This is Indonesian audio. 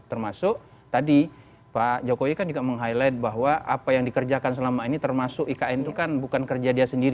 termasuk tadi pak jokowi kan juga meng highlight bahwa apa yang dikerjakan selama ini termasuk ikn itu kan bukan kerja dia sendiri